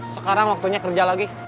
sekarang waktunya kerja lagi